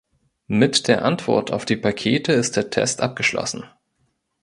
Mit der Antwort auf die Pakete ist der Test abgeschlossen.